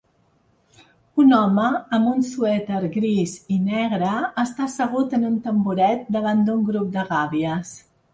Un home amb un suèter gris i negre està assegut en un tamboret davant d'un grup de gàbies